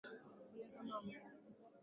Polepole kama mwendo.